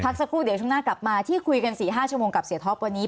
สักครู่เดี๋ยวช่วงหน้ากลับมาที่คุยกัน๔๕ชั่วโมงกับเสียท็อปวันนี้